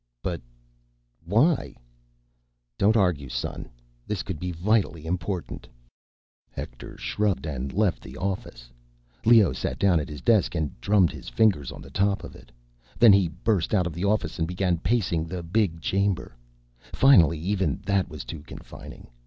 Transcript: "But ... why—" "Don't argue, son. This could be vitally important." Hector shrugged and left the office. Leoh sat down at his desk and drummed his fingers on the top of it. Then he burst out of the office and began pacing the big chamber. Finally, even that was too confining.